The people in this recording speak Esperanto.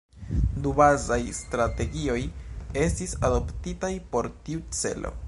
Du bazaj strategioj estis adoptitaj por tiu celo.